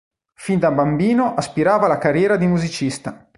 Fin da bambino aspirava alla carriera di musicista.